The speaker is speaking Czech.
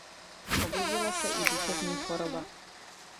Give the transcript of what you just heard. Objevila se i duševní choroba.